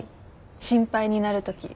心配になるとき。